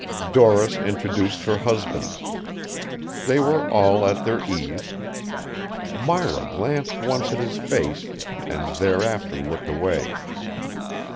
Doris introduced her husband. They were all at their ease. Myra glanced once at his face and thereafter looked away.